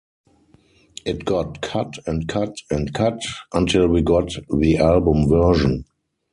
It got cut and cut and cut until we got the album version.